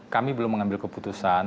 kami belum mengambil keputusan